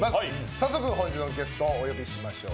早速、本日のゲストをお呼びしましょう。